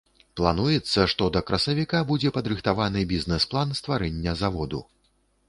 Плануецца, што да красавіка будзе падрыхтаваны бізнэс-план стварэння заводу.